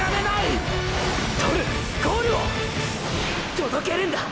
届けるんだ！！